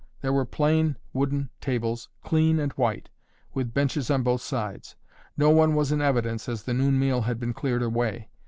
There were plain wooden tables, clean and white, with benches on both sides. No one was in evidence as the noon meal had been cleared away.